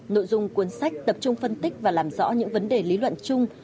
nội dung cuốn sách tập trung phân tích và làm rõ những vấn đề lý luận chung